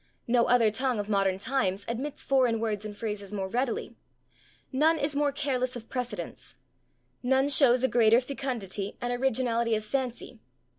No other tongue of modern times admits foreign words and phrases more readily; none is more careless of precedents; none shows a greater fecundity and originality of fancy.